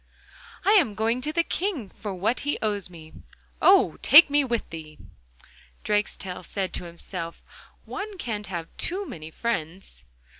'I am going to the King for what he owes me.' 'Oh! take me with thee!' Drakestail said to himself: 'One can't have too many friends.